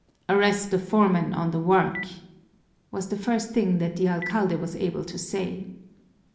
"Arrest the foreman on the work!" was the first thing that the alcalde was able to say.